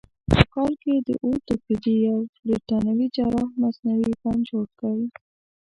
په کال کې د اورتوپیدي یو برتانوي جراح مصنوعي بند جوړ کړ.